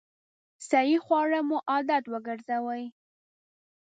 صحي خواړه مو عادت وګرځوئ!